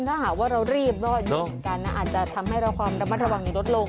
ถ้าหากว่าเรารีบเรากลับที่กันอาจจะทำให้เราความระมัดระวังยืดลดลง